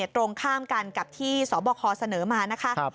ตรงข้ามกันกับที่สบคเสนอมานะคะ